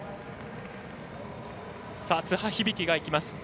津波響樹がいきます。